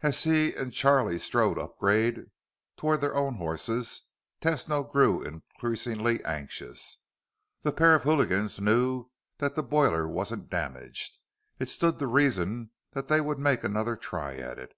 As he and Charlie strode upgrade toward their own horses, Tesno grew increasingly anxious. This pair of hooligans knew that the boiler wasn't damaged. It stood to reason that they would make another try at it.